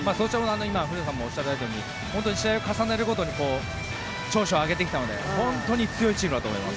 古田さんがおっしゃられたように試合を重ねるごとに調子を上げてきたので本当に強いチームだと思います。